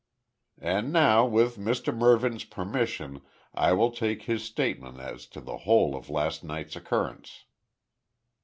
"And now, with Mr Mervyn's permission, I will take his statement as to the whole of last night's occurrence."